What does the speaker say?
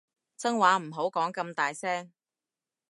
真話唔好講咁大聲